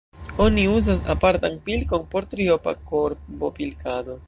Oni uzas apartan pilkon por triopa korbopilkado.